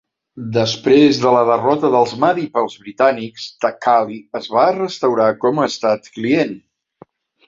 Després de la derrota dels Mahdi pels britànics, Taqali es va restaurar com a estat client.